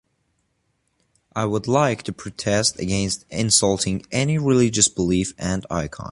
I would like to protest against insulting any religious belief and icon.